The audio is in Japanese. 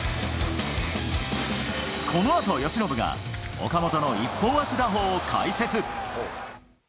このあと由伸が、岡本の一本足打法を解説。